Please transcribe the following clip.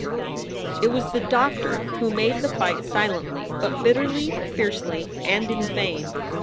It was the doctor who made the fight silently but bitterly, fiercely and in vain.